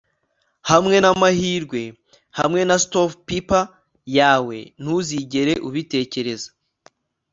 Hamwe namahirwe hamwe na stovepipe yawe Ntuzigere ubitekereza